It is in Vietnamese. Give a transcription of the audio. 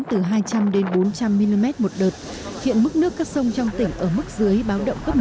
từ hai trăm linh đến bốn trăm linh mm một đợt hiện mức nước các sông trong tỉnh ở mức dưới báo động cấp một